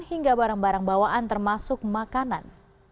hingga barang barang bawaan termasuk makanan